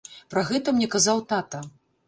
Пра гэта мне казаў тата.